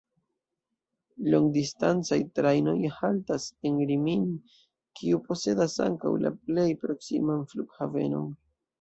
Longdistancaj trajnoj haltas en Rimini, kiu posedas ankaŭ la plej proksiman flughavenon.